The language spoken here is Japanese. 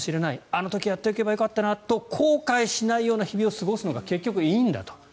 あの時やっておけばよかったなと後悔しないような日々を過ごすのが結局、いいんだと。